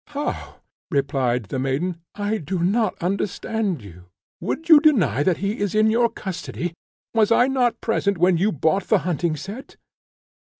"How!" replied the maiden "I do not understand you; would you deny that he is in your custody? Was I not present when you bought the hunting set?"